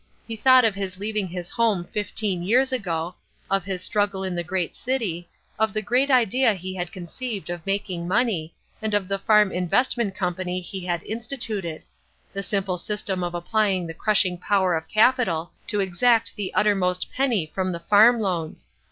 He thought of his leaving his home fifteen years ago, of his struggle in the great city, of the great idea he had conceived of making money, and of the Farm Investment Company he had instituted—the simple system of applying the crushing power of capital to exact the uttermost penny from the farm loans.